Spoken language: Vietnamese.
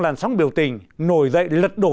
làn sóng biểu tình nổi dậy lật đổ